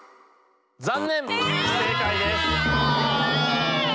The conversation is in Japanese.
残念不正解です。